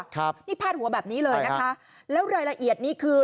ครับนี่พาดหัวแบบนี้เลยนะคะแล้วรายละเอียดนี้คือ